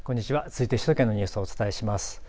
続いて首都圏のニュースをお伝えします。